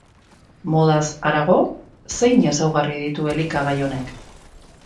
Modaz harago, zein ezaugarri ditu elikagai honek?